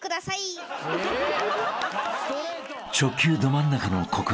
［直球ど真ん中の告白］